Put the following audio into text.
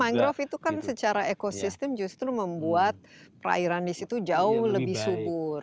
mangrove itu kan secara ekosistem justru membuat perairan di situ jauh lebih subur